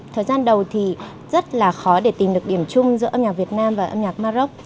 thời gian đầu thì rất là khó để tìm được điểm chung giữa âm nhạc việt nam và âm nhạc maroc